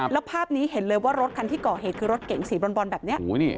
แล้วภาพนี้เห็นเลยว่ารถคันที่ก่อเหตุคือรถเก๋งสีบรอนแบบนี้